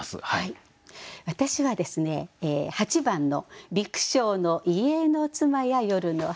私はですね８番の「微苦笑の遺影の妻や夜の蠅」。